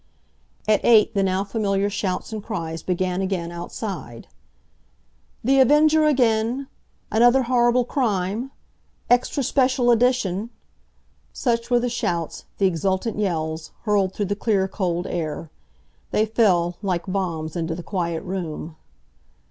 At eight the now familiar shouts and cries began again outside. "The Avenger again!" "Another horrible crime!" "Extra speshul edition!"—such were the shouts, the exultant yells, hurled through the clear, cold air. They fell, like bombs into the quiet room.